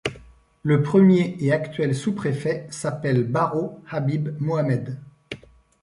Le premier et actuel sous-prefet s'appelle Barro Habib Mohamed.